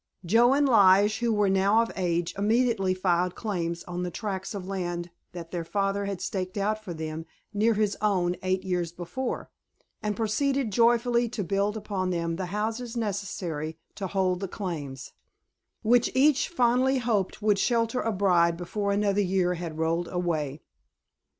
Joe and Lige, who were now of age, immediately filed claims on the tracts of land that their father had staked out for them near his own eight years before, and proceeded joyfully to build upon them the houses necessary to hold the claims, which each fondly hoped would shelter a bride before another year had rolled away.